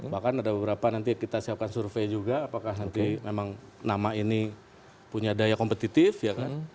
bahkan ada beberapa nanti kita siapkan survei juga apakah nanti memang nama ini punya daya kompetitif ya kan